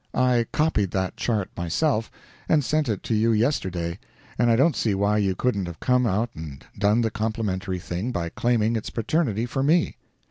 I copied that chart myself, and sent it to you yesterday, and I don't see why you couldn't have come out and done the complimentary thing, by claiming its paternity for me.